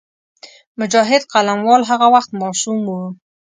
مجاهد قلموال هغه وخت ماشوم وو.